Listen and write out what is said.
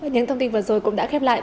những thông tin vừa rồi cũng đã khép lại